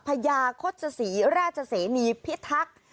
พญาโฆษศรีราชเสนีพิทักษ์